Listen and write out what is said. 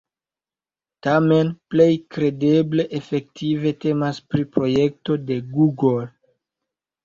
Tamen plej kredeble efektive temas pri projekto de Google.